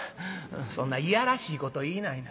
「そんな嫌らしいこと言いないな。